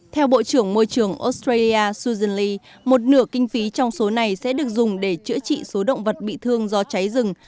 theo bộ trưởng môi trường australia susan lee một nửa kinh phí trong số này sẽ được dùng để chữa trị số động vật bị thương do cháy rừng